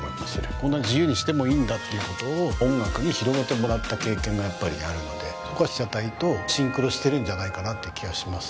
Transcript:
こんな自由にしてもいいんだっていうことを音楽に広げてもらった経験がやっぱりあるのでそこは被写体とシンクロしてるんじゃないかなっていう気はします